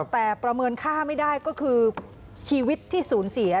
แต่ประเมินค่าไม่ได้ก็คือชีวิตที่สูญเสีย